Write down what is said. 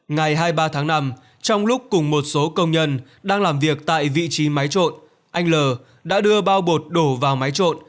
ngày hai mươi ba tháng năm trong lúc cùng một số công nhân đang làm việc tại vị trí máy trộn anh l đã đưa bao bột đổ vào máy trộn